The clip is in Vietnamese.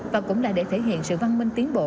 và cũng là để thể hiện sự văn minh tiến bộ